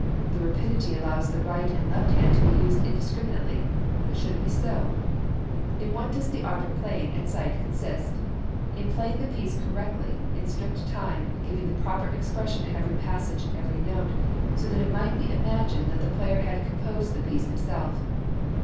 The rapidity allows the right and left hand to be used indiscriminately: but should that be so? In what does the art of playing at sight consist? In playing the piece correctly, in strict time, giving the proper expression to every {MANNHEIM.} (388) passage and every note, so that it might be imagined that the player had composed the piece himself.